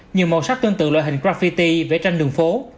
nhiều màu sắc tương tự loại hình graffiti vẽ trên đường phố